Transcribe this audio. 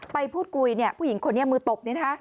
ไปพูดคุยผู้หญิงคนนี้มือตบ